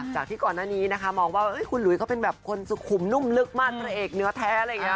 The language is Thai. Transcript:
จากที่ก่อนหน้านี้นะคะมองว่าคุณหลุยเขาเป็นแบบคนสุขุมนุ่มลึกมากพระเอกเนื้อแท้อะไรอย่างนี้